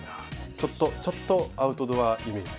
ちょっとちょっとアウトドアイメージ。